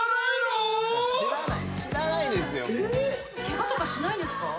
ケガとかしないんですか？